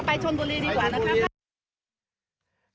อ่าเดี๋ยวไปชนบุรีดีกว่านะครับ